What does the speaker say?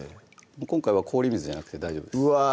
今回は氷水じゃなくて大丈夫ですうわ